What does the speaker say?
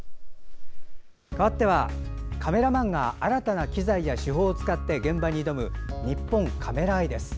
かわっては、カメラマンが新たな機材や手法を使って現場に挑む「にっぽんカメラアイ」です。